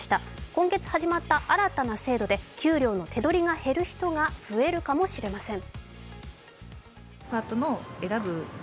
今月始まった新たな制度で給料の手取りが減る人が増えるかもしれません。